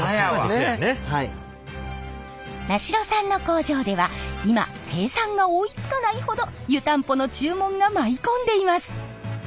名城さんの工場では今生産が追いつかないほど湯たんぽの注文が舞い込んでいます。